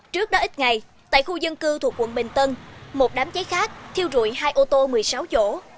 trước đó ít ngày tại khu dân cư thuộc quận bình tân một đám cháy khác thiêu rụi hai ô tô một mươi sáu chỗ